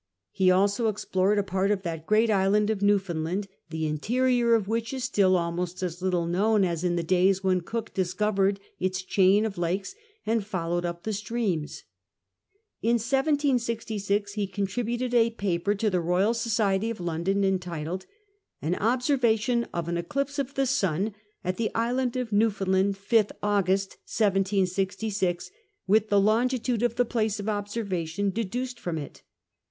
lie also explored a part of tliat great island of NewfoiiiKllaiid, the interior of which is still rilmost as little known fis in the days Avhon Cook dis covered its chain of lakes and followed up the streams. In 1766 ho contributed a paper to the Tioyal Society of London, entitled "An Observation i>f an Kclipso of the Sun at the Island of Newfoundland, bth August 1766, with the Longitude of the Place of 0]>scrvation dcnluced from it."